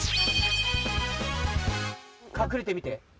かくれてみて。